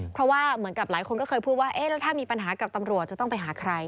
เพราะว่าเหมือนกับหลายคนก็เคยพูดว่าเอ๊ะแล้วถ้ามีปัญหากับตำรวจจะต้องไปหาใคร